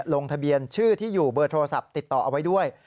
ลงทะเบียนชื่อที่อยู่เบอร์โทรศัพท์ติดต่อเอาไว้ด้วย